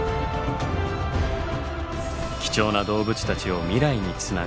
貴重な動物たちを未来につなぐ。